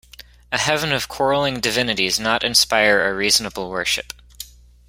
A heaven of quarrelling divinities not inspire a reasonable worship.